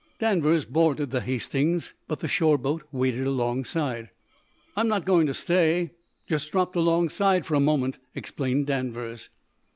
Danvers boarded the "Hastings," but the shore boat waited alongside. "I'm not going to stay. Just dropped alongside for a moment," explained Danvers.